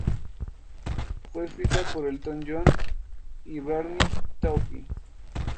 Fue escrita por Elton John y Bernie Taupin.